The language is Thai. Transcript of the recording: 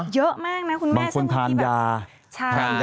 เยอะมากนะคุณแม่สมมติแบบนี้